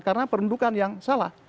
karena perhentukan yang salah